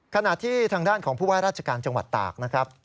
ขณะที่ทางด้านของผู้ว่าราชการจังหวัดตากนะครับ